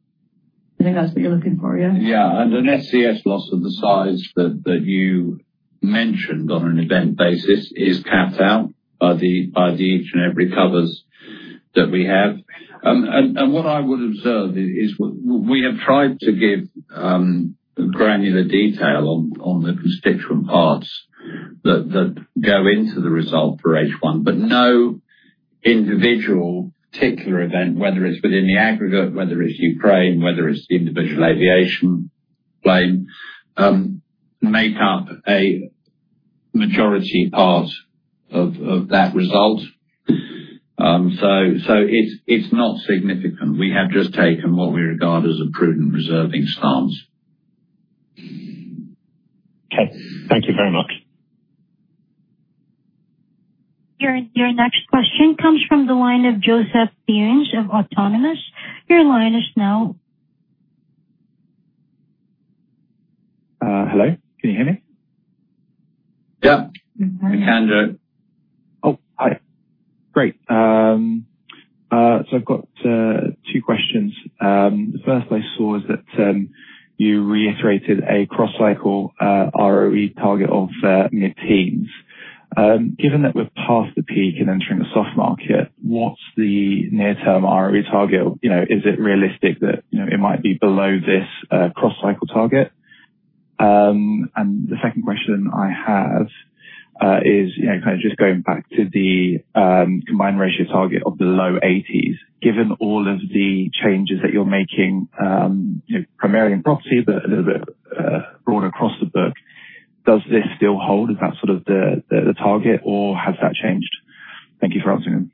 Speaker 4: I think that's what you're looking for.
Speaker 8: Yeah, yeah.
Speaker 2: An SCS loss of the size that you mentioned on an event basis is capped out by the, by the, each and every covers that we have. What I would observe is we have tried to give granular detail on the constituent parts that go into the result for H1, but no individual particular event, whether it's within the aggregate, whether it's Ukraine, whether it's the individual aviation plane, make up a majority part of that result. It's not significant. We have just taken what we regard as a prudent reserving stance.
Speaker 8: Okay, thank you very much.
Speaker 5: Your next question comes from the line of Joseph Theuns of Autonomous. Your line is now open.
Speaker 9: Hello, can you hear me?
Speaker 2: Yeah.
Speaker 9: Hi. Great. I've got two questions. The first, I saw that you reiterated a cross cycle ROE target of mid teens. Given that we've passed the peak and are entering the soft market, what's the near term ROE target? Is it realistic that it might be below this cross cycle target? The second question I have is just going back to the combined ratio target of the low 80s given all of the changes that you're making primarily in property, but a little bit broader across the book. Does this still hold? Is that the target or has that changed? Thank you for asking them.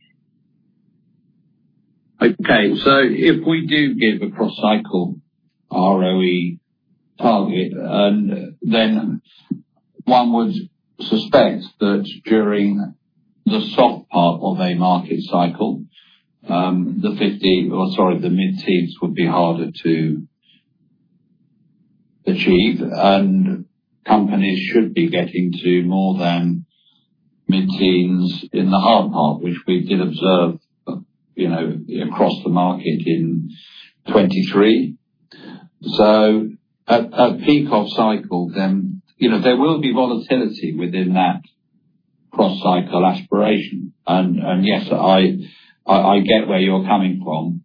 Speaker 2: Okay, if we do give a cross cycle ROE target, then one would suspect that during the soft part of a market cycle, the mid teens would be harder to achieve and companies should be getting to more than mid teens in the hard part, which we did observe across the market in 2023. At peak of cycle, there will be volatility within that cross cycle aspiration. Yes, I get where you're coming from.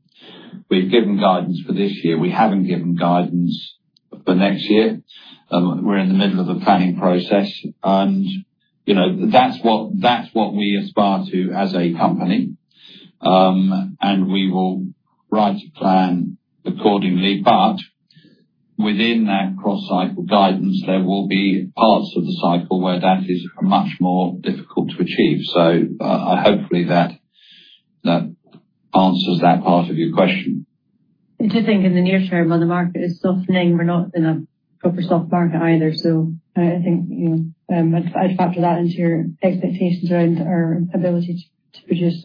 Speaker 2: We've given guidance for this year, we haven't given guidance for next year. We're in the middle of the planning process and that's what we aspire to as a company and we will write a plan accordingly. Within that cross cycle guidance, there will be parts of the cycle where that is much more difficult to achieve. Hopefully that answers that part of your question.
Speaker 4: I do think in the near term while the market is softening, we're not in a proper stock market either. I think, you know, I'd factor that into your expectations around our ability to produce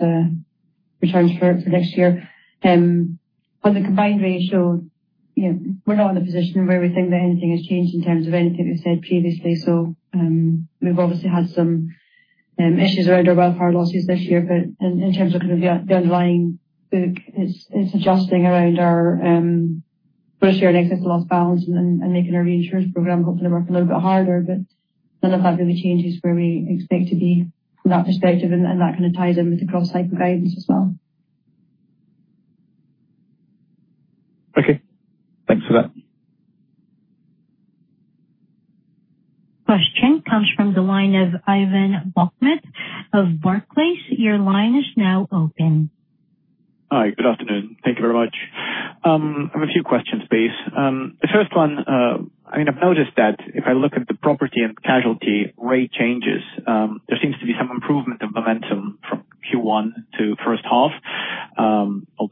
Speaker 4: returns for next year on the combined ratio. You know, we're not in a position where we think that anything has changed in terms of anything we said previously. We've obviously had some issues around our wildfire losses this year. In terms of the underlying book, it's adjusting around our excess of loss balance and making our reinsurance program hoping to work a little bit harder. None of that really changes where we expect to be from that perspective. That kind of ties in with the cross hyper guidance as well.
Speaker 9: Okay, thanks for that.
Speaker 5: Question comes from the line of Ivan Bokhmat of Barclays. Your line is now open.
Speaker 10: Hi, good afternoon. Thank you very much. I have a few questions. Please. The first one, I mean I've noticed that if I look at the property and casualty rate changes, there seems to be some improvement of momentum Q1 to first half,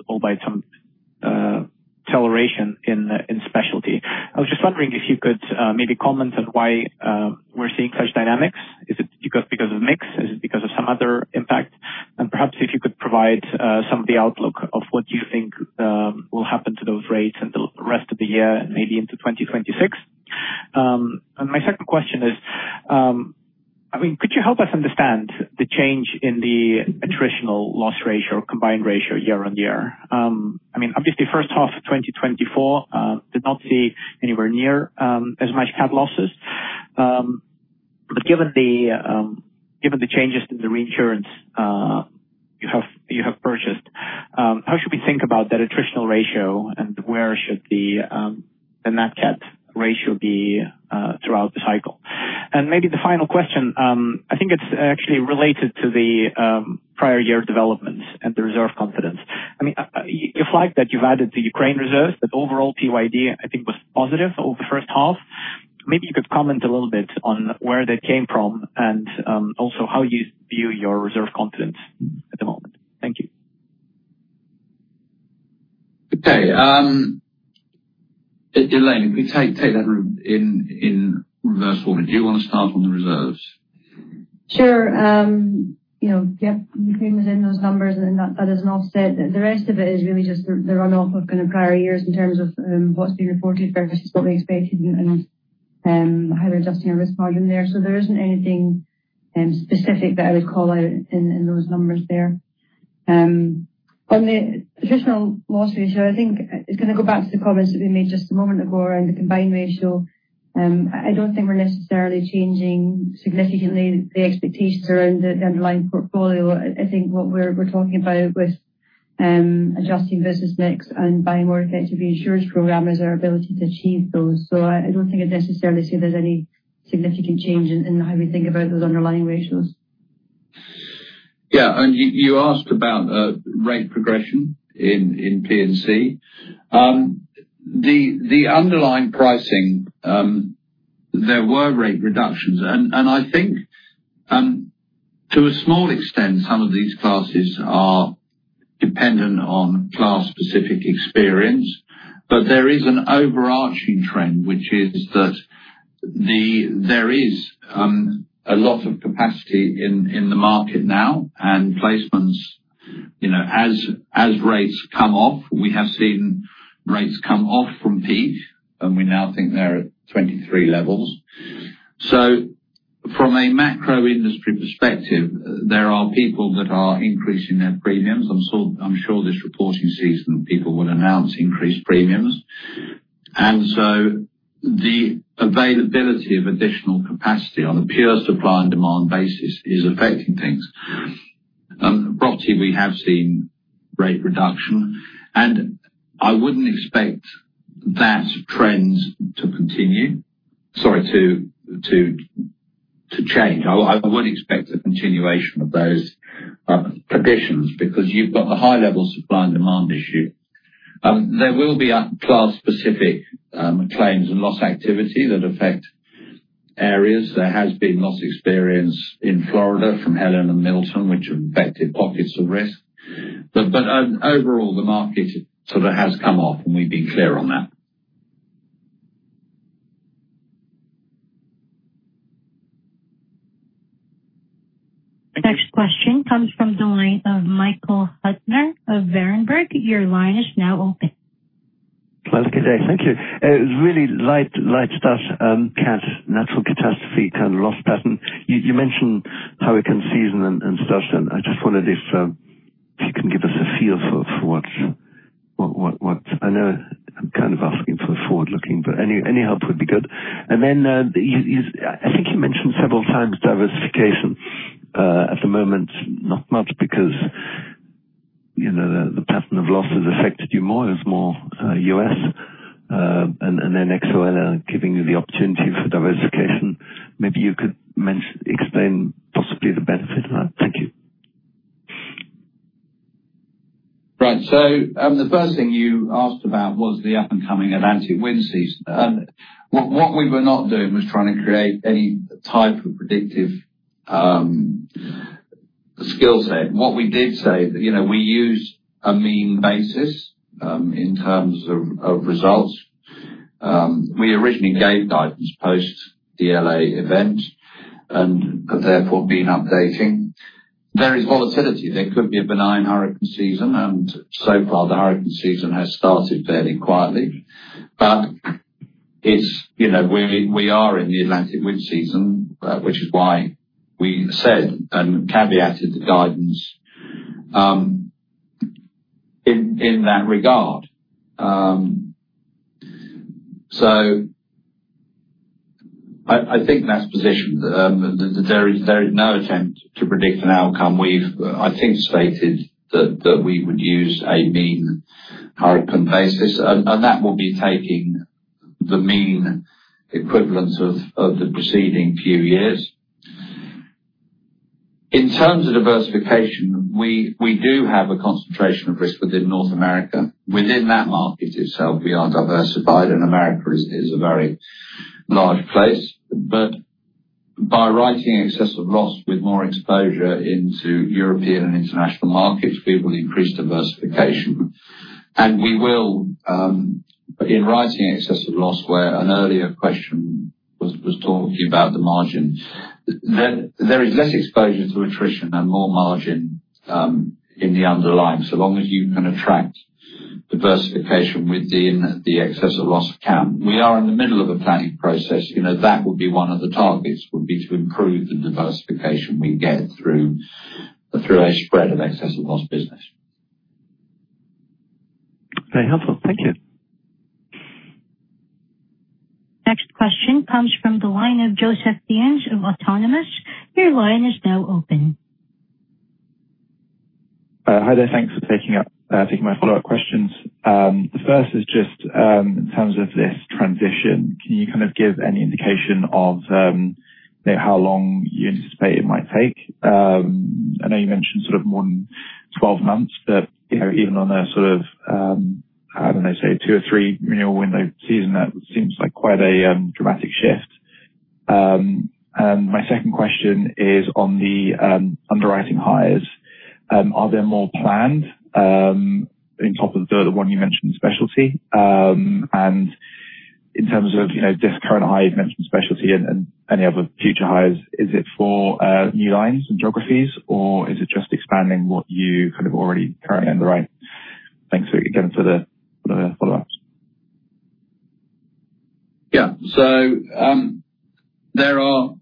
Speaker 10: albeit some acceleration in specialty. I was just wondering if you could maybe comment on why we're seeing such dynamics. Is it because of mix? Is it because of some other impact, and perhaps if you could provide some of the outlook of what you think will happen to those rates and the rest of the year and maybe into 2026. My second question is, I mean could you help us understand the change in the attritional loss ratio or combined ratio year-on-year? Obviously, first half of 2024 did not see anywhere near as much CAT losses. Given the changes in the reinsurance you have purchased, how should we think about that attritional ratio and where should the NATCAT ratio be throughout the cycle? Maybe the final question, I think it's actually related to the prior year developments and the reserve confidence. You flagged that you've added the Ukraine reserves. That overall PYD I think was positive over the first half. Maybe you could comment a little bit on where that came from and also how you view your reserve confidence. Thank you.
Speaker 2: Okay, Elaine, could we take that in reverse form? Do you want to start on the reserves?
Speaker 4: Sure. You know those numbers and that is an offset. The rest of it is really just the runoff of kind of prior years in terms of what's been reported versus what we expected, how we're adjusting our risk margin there. There isn't anything specific that I would call out in those numbers there on the traditional loss ratio. I think it's going to go back to the comments that we made just a moment ago around the combined ratio. I don't think we're necessarily changing significantly the expectations around the underlying portfolio. I think what we're talking about with adjusting business mix and buying more effectively insurance program is our ability to achieve those. I don't think it's necessarily say there's any significant change in how we think about those underlying ratios.
Speaker 2: Yeah. You asked about rate progression in P&C, the underlying pricing. There were rate reductions and I think to a small extent some of these classes are dependent on class specific experience. There is an overarching trend which is that there is a lot of capacity in the market now and placements as rates come off. We have seen rates come off from peak and we now think they're at 2023 levels. From a macro industry perspective there are people that are increasing their premiums. I'm sure this reporting season people will announce increased premiums and the availability of additional capacity on a pure supply and demand basis is affecting things. Property, we have seen rate reduction and I wouldn't expect that trend to change. I would expect a continuation of those conditions because you've got a high level supply and demand issue. There will be class specific claims and loss activity that affect areas. There has been loss experience in Florida from Helen and Milton which have affected pockets of risk. Overall, the market sort of has come off and we've been clear on that.
Speaker 5: Next question comes from the line of Michael Huttner of Berenberg.
Speaker 6: Good day. Thank you. It was really light, light stuff, natural catastrophe kind of loss pattern. You mentioned how we can season and stuff, and I just wanted this give us a feel for what I know I'm kind of asking for forward looking, but any help would be good. I think you mentioned several times diversification at the moment, not much because you know the pattern of loss has affected you more as more U.S., and then XOL giving you the opportunity for diversification. Maybe you could explain, see the benefit of that. Thank you.
Speaker 2: Right. The first thing you asked about was the up and coming Atlantic wind season. What we were not doing was trying to create any type of predictive skill set. What we did say is that we use a mean basis in terms of results. We originally gave guidance post the L.A. event and therefore, in updating, there is volatility. There could be a benign hurricane season. So far, the hurricane season has started fairly quietly. It's, you know, we are in the Atlantic wind season, which is why we said and caveated the guidance in that regard. I think that's positioned. There is no attempt to predict an outcome. We've stated that we would use a mean hurricane basis and that will be taking the mean equivalence of the preceding few years. In terms of diversification, we do have a concentration of risk within North America. Within that market itself, we are diversified, and America is a very large place. By writing excess of loss with more exposure into European and international markets, we will increase diversification and we will begin writing excess of loss. Where an earlier question was talking about the margin, there is less exposure to attrition and more margin in the underlying, so long as you can attract diversification within the excess of loss account. We are in the middle of a planning process. That would be one of the targets, to improve the diversification we get through a spread of access and possibility.
Speaker 6: Very helpful, thank you.
Speaker 4: Next question comes from the line of Joseph Theuns of Autonomous. Your line is now open.
Speaker 9: Hi there. Thanks for taking my follow up questions. The first is just in terms of this transition, can you give any indication of how long you anticipate it might take? I know you mentioned more than 12 months. Even on a two or three renewal window season that seems like quite a dramatic shift. My second question is on the underwriting hires. Are there more planned on top of the one you mentioned in specialty? In terms of this current high investment in specialty and any other future hires, is it for new lines and geographies or is it just expanding what you already currently underwrite? Thanks again for the follow ups.
Speaker 2: Yeah, there are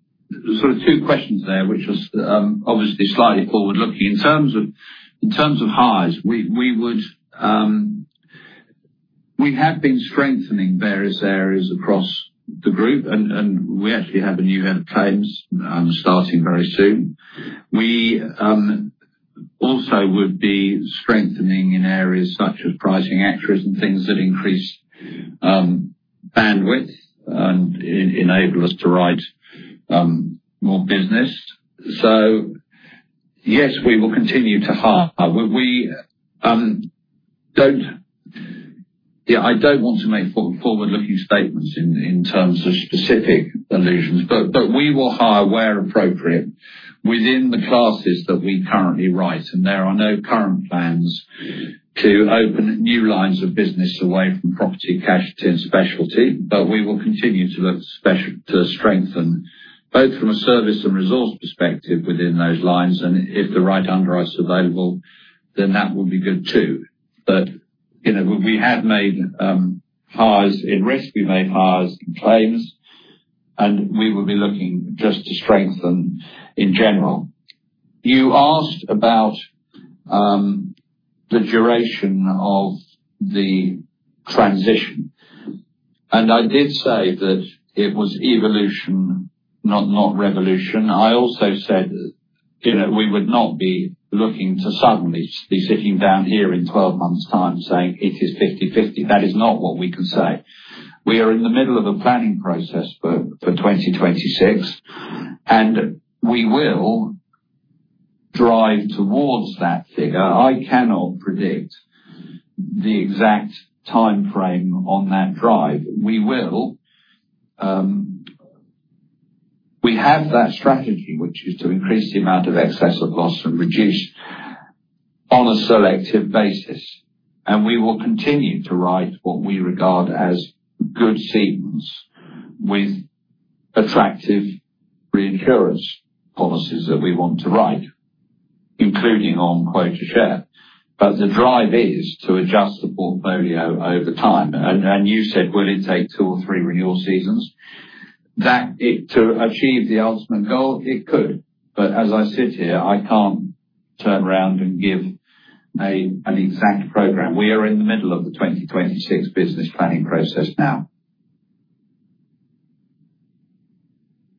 Speaker 2: sort of two questions there, which is obviously slightly forward looking in terms of highs. We have been strengthening various areas across the group and we actually have a new Head of Claims starting very soon. We also would be strengthening in areas such as pricing actuaries and things that increase bandwidth and enable us to write more business. Yes, we will continue to hire. I don't want to make forward looking statements in terms of specific allusions, but we will hire where appropriate within the classes that we currently write. There are no current plans to open new lines of business away from property, casualty, and specialty. We will continue to look to strengthen both from a service and resource perspective within those lines. If the right underwriters are there, that would be good too. We have made hires in risk, we made hires in claims, and we will be looking just to strengthen in general. You asked about the duration of the transition and I did say that it was evolution, not revolution. I also said we would not be looking to suddenly be sitting down here in 12 months' time saying it is 50/50. That is not what we can say. We are in the middle of a planning process for 2026 and we will drive towards that figure. I cannot predict the exact time frame on that drive. We have that strategy, which is to increase the amount of excess of loss and reduce on a selective basis. We will continue to write what we regard as good segments with attractive reinsurance policies that we want to write, including on quota share. The drive is to adjust the portfolio over time. You said will it take two or three renewal seasons to achieve the ultimate goal. It could, but as I sit here I can't turn around and give an exact program. We are in the middle of the 2026 business planning process now.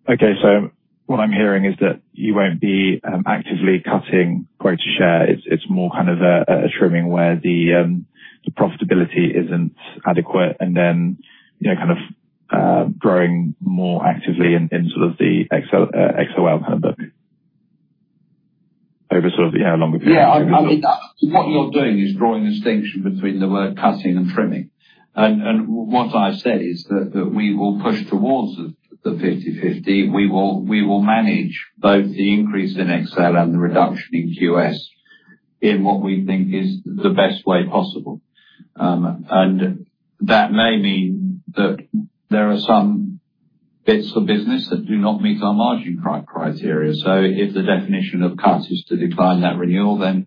Speaker 9: Okay, so what I'm hearing is that you won't be actively cutting quota share. It's more kind of a trimming where the profitability isn't adequate, and then you know, kind of growing more actively in sort of the XOL handbook over sort of.
Speaker 2: Yeah.
Speaker 3: Longer.
Speaker 6: Yeah.
Speaker 2: What you're doing is drawing a distinction between the word cutting and trimming. What I've said is that we will push towards the 50/50. We will manage both the increase in XOL and the reduction in QS in what we think is the best way possible. That may mean that there are some bits of business that do not meet our margin criteria. If the definition of cut is to decline that renewal, then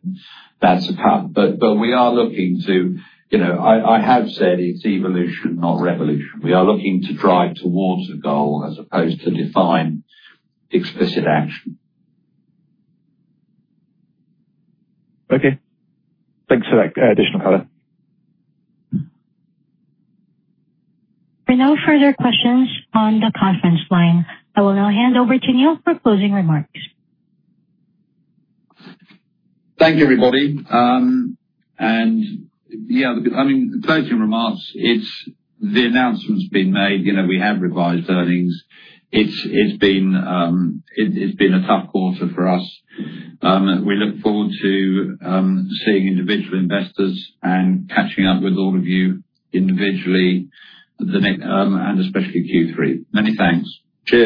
Speaker 2: that's a cut. We are looking to, you know, I have said it's evolution, not revolution. We are looking to drive towards a goal as opposed to define explicit action.
Speaker 9: Okay, thanks for that additional color.
Speaker 5: For no further questions on the conference line, I will now hand over to. Neil for closing remarks.
Speaker 2: Thank you, everybody. I mean, pledging remarks, the announcement's been made. You know, we have revised earnings. It's been a tough quarter for us. We look forward to seeing individual investors and catching up with all of you individually, especially Q3. Many thanks. Cheers.